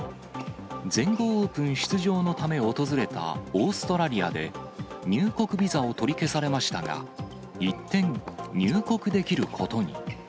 全豪オープン出場のため訪れたオーストラリアで、入国ビザを取り消されましたが、一転、入国できることに。